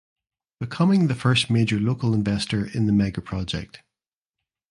Becoming the first major local investor in the megaproject.